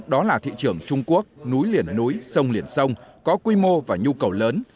đó là thị trường trung quốc núi liền núi sông liền sông có quy mô và nhu cầu lớn